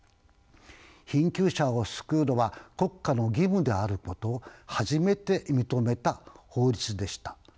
貧窮者を救うのは国家の義務であることを初めて認めた法律でした。